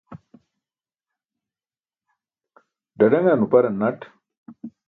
Ḍaḍaṅar nuparn naṭ